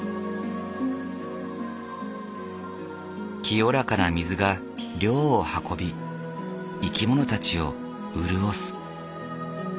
清らかな水が涼を運び生き物たちを潤す。